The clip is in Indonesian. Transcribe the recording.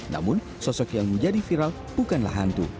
namun sosok yang menjadi viral bukanlah hantu